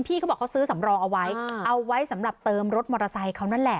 เขาบอกเขาซื้อสำรองเอาไว้เอาไว้สำหรับเติมรถมอเตอร์ไซค์เขานั่นแหละ